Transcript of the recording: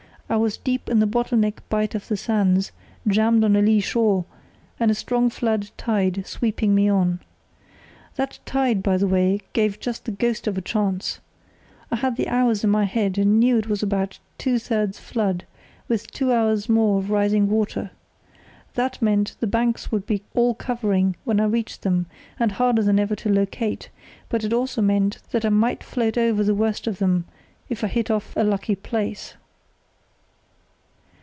I was deep in the bottle neck bight of the sands, jammed on a lee shore, and a strong flood tide sweeping me on. That tide, by the way, gave just the ghost of a chance. I had the hours in my head, and knew it was about two thirds flood, with two hours more of rising water. That meant the banks would be all covering when I reached them, and harder than ever to locate; but it also meant that I might float right over the worst of them if I hit off a lucky place."